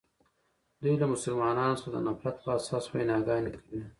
دوی له مسلمانانو څخه د نفرت په اساس ویناګانې کوي.